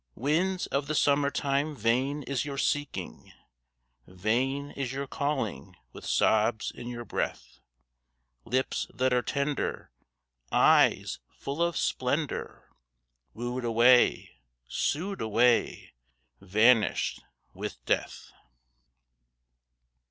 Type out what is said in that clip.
Winds of the summer time vain is your seeking, Vain is your calling with sobs in your breath. Lips that are tender, eyes full of splendour, Wooed away, sued away, vanished with death.